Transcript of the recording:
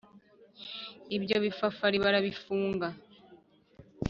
Ibyo bifafari barabifunga!